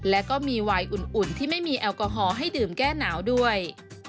และก็มีวัยอุ่นที่ไม่มีแอลกอฮอล์ให้ดื่มแก้หนาวด้วย